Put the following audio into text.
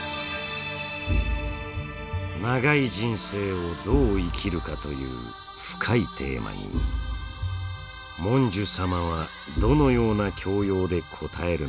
長い人生をどう生きるかという深いテーマにモンジュ様はどのような教養で答えるのでしょうか。